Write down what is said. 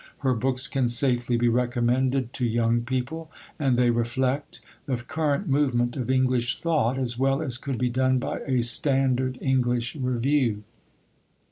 Her books can safely be recommended to young people, and they reflect the current movement of English thought as well as could be done by a standard English review.